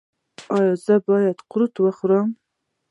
ایا زه باید قروت وخورم؟